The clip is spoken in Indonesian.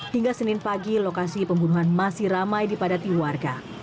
hingga senin pagi lokasi pembunuhan masih ramai dipadati warga